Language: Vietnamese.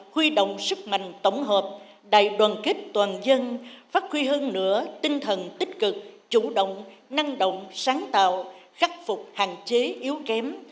huy động sức mạnh tổng hợp đại đoàn kết toàn dân phát huy hơn nữa tinh thần tích cực chủ động năng động sáng tạo khắc phục hạn chế yếu kém